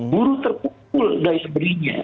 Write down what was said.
buruh terpukul dari sebelahnya